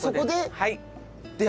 はい。